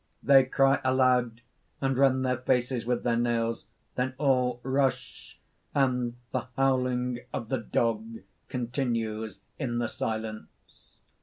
(_They cry aloud, and rend their faces with their nails; then all rush, and the howling of the dog continues in the silence.